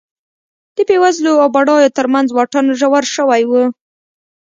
د بېوزلو او بډایو ترمنځ واټن ژور شوی و